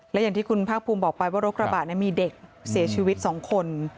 และอย่างที่คุณภาคภูมิบอกไปว่ารถกระบะมีเด็กเสียชีวิต๒คน